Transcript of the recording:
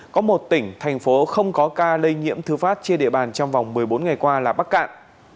có một tỉnh thành phố không có ca lây nhiễm thư phát trên địa bàn trong vòng một mươi bốn ngày qua là bắc cạn